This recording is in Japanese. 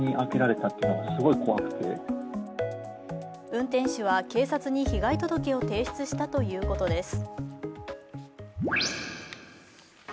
運転手は警察に被害届を提出したということです。